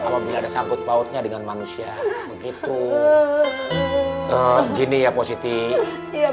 kalau tidak disangkut pautnya dengan manusia begitu gini ya posisi ya